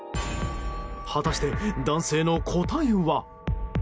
果たして男性の答えは。